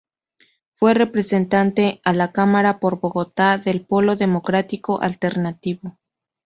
Fue Representante a la Cámara por Bogotá del Polo Democrático Alternativo.